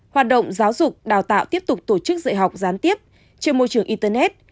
hoạt động giáo dục đào tạo tiếp tục tổ chức dạy học gián tiếp trên môi trường internet